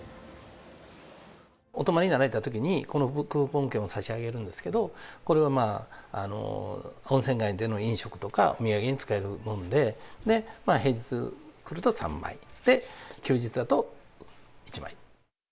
お泊りになられたときに、このクーポン券を差し上げるんですけど、これを温泉街での飲食とか、お土産に使えるもんで、平日来ると３枚で、休日だと１枚。